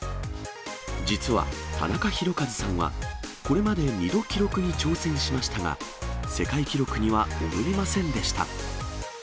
実はタナカ・ヒロカズさんは、これまで２度記録に挑戦しましたが、世界記録には及びませんでした。